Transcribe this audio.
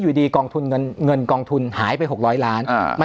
อยู่ดีกองทุนเงินเงินกองทุนหายไปหกร้อยล้านอ่ามัน